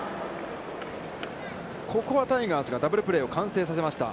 ここはタイガースがダブルプレーを完成させました。